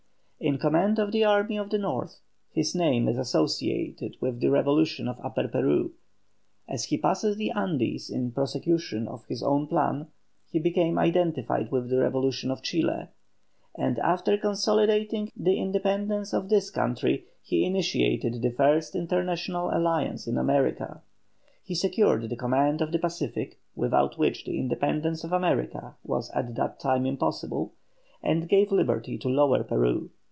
In command of the army of the North, his name is associated with the revolution of Upper Peru; as he passed the Andes in prosecution of his own plan, he became identified with the revolution of Chile, and after consolidating the independence of this country he initiated the first international alliance in America. He secured the command of the Pacific, without which the independence of America was at that time impossible, and gave liberty to Lower Peru.